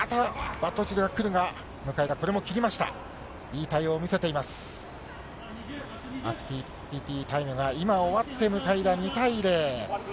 アクティビティタイムが今、終わって向田２対０。